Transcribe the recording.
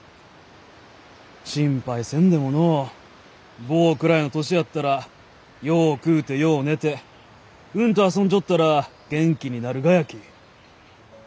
心配せんでものう坊くらいの年やったらよう食うてよう寝てうんと遊んじょったら元気になるがやき。